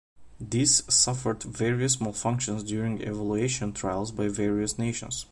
These suffered various malfunctions during evaluation trials by various nations.